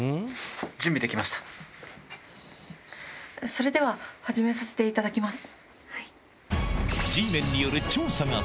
それでは始めさせていただきます。